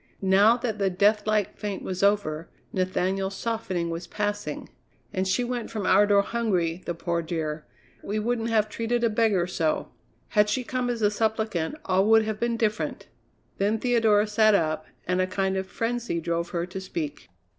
Now that the deathlike faint was over, Nathaniel's softening was passing. "And she went from our door hungry, the poor dear! We wouldn't have treated a beggar so." "Had she come as a suppliant, all would have been different." Then Theodora sat up, and a kind of frenzy drove her to speak.